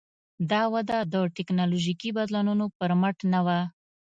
دا وده د ټکنالوژیکي بدلونونو پر مټ نه وه.